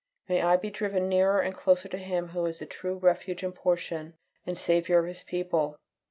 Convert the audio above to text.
May I be driven nearer and closer to Him who is the true refuge and portion, and Saviour of His people.